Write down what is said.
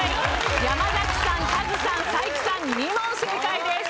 山崎さんカズさん才木さん２問正解です。